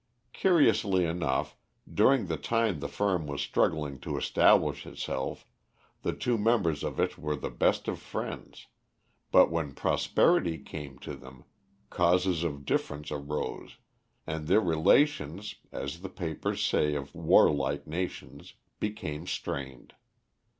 Curiously enough, during the time the firm was struggling to establish itself, the two members of it were the best of friends, but when prosperity came to them, causes of difference arose, and their relations, as the papers say of warlike nations, became strained.